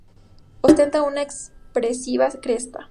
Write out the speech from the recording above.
Ostenta una expresiva cresta.